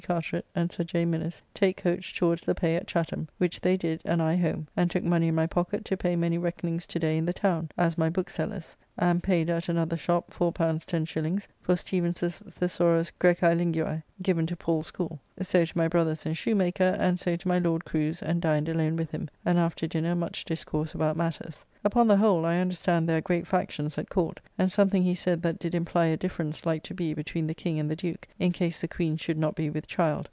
Carteret and Sir J. Minnes take coach towards the Pay at Chatham, which they did and I home, and took money in my pocket to pay many reckonings to day in the town, as my bookseller's, and paid at another shop L4 10s. for "Stephens's Thesaurus Graecae Linguae," given to Paul's School: So to my brother's and shoemaker, and so to my Lord Crew's, and dined alone with him, and after dinner much discourse about matters. Upon the whole, I understand there are great factions at Court, and something he said that did imply a difference like to be between the King and the Duke, in case the Queen should not be with child.